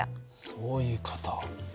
そういう事。